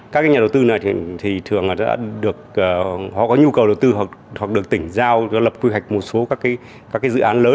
các nhà đầu tư này thì thường là họ có nhu cầu đầu tư hoặc được tỉnh giao lập quy hoạch một số các dự án lớn